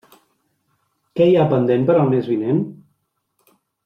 Què hi ha pendent per al mes vinent?